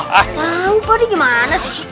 tahu pak d gimana sih